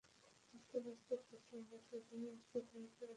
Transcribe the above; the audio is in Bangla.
বিশ্বের একটি ক্ষুদ্র অংশে যাহা আছে, সমগ্র বিশ্বেও তাহাই আছে।